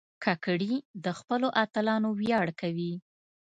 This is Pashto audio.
کاکړي د خپلو اتلانو ویاړ کوي.